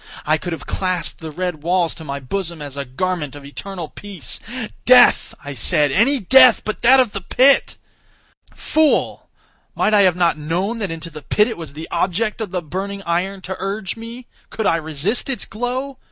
I could have clasped the red walls to my bosom as a garment of eternal peace. "Death," I said, "any death but that of the pit!" Fool! might I have not known that into the pit it was the object of the burning iron to urge me? Could I resist its glow?